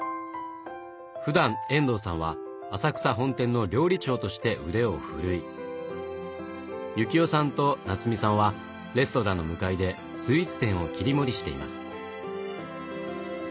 ふだん延藤さんは浅草本店の料理長として腕をふるい由季世さんと奈津美さんはレストランの向かいでスイーツ店を切り盛りしています。